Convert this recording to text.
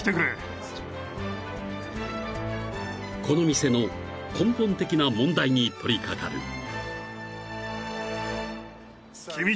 ［この店の根本的な問題に取り掛かる］